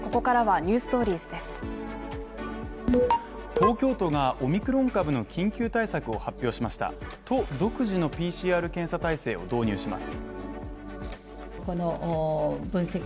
東京都がオミクロン株の緊急対策を発表しました都独自のＰＣＲ検査体制を導入します。